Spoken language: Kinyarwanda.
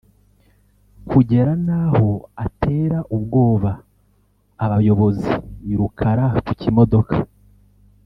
kugera naho atera ubwoba abayobozi i Rukara ku kimodoka